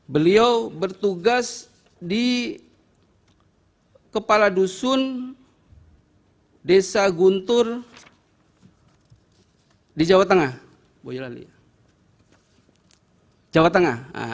beliau bertugas di kepala dusun desa guntur di jawa tengah